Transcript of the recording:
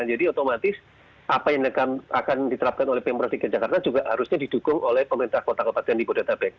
jadi otomatis apa yang akan diterapkan oleh pemprov dki jakarta juga harusnya didukung oleh pemerintah kota kota yang di jabodetabek